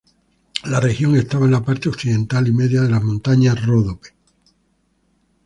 La región estaba en la parte occidental y medio de las montañas Ródope.